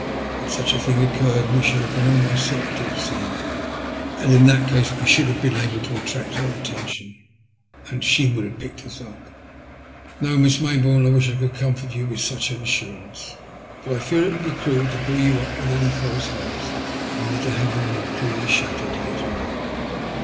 Had such a thing occurred, we should have been almost certain to have seen her, and in that case we should have been able to attract her '■■Tell rae txaclly ... J implore jol THE SALVAGES. 167 Attention, and she would have picked ub up. No, Miss Mayboome. I wish I could comfort you with such an assurance ; but I fear it would be cruel to buoy you up with any false hopes, only to have them more cruelly shattered later on.